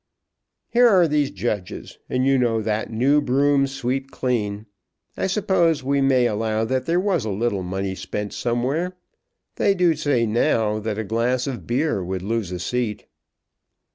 Here are these judges, and you know that new brooms sweep clean. I suppose we may allow that there was a little money spent somewhere. They do say now that a glass of beer would lose a seat."